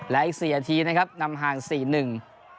และอีก๔อาทีนะครับนำห่าง๔๑